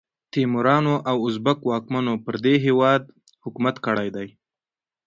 تیموریانو او ازبک واکمنو پر دې هیواد حکومت کړی دی.